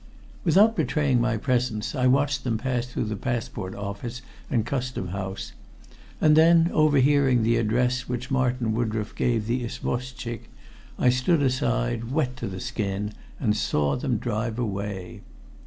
Without betraying my presence I watched them pass through the passport office and Custom House, and then, overhearing the address which Martin Woodroffe gave the isvoshtchik, I stood aside, wet to the skin, and saw them drive away.